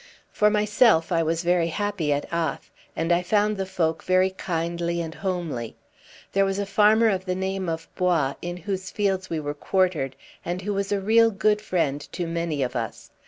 For myself, I was very happy at Ath, and I found the folk very kindly and homely. There was a farmer of the name of Bois, in whose fields we were quartered, and who was a real good friend to many of us.